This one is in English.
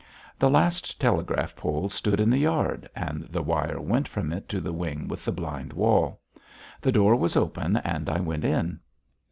The last telegraph pole stood in the yard, and the wire went from it to the wing with the blind wall. The door was open and I went in.